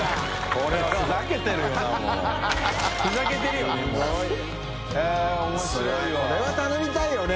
これは頼みたいよね。